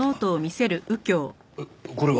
これは？